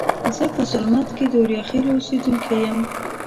زه په زرمت کې د اوریاخیلو اوسیدونکي یم.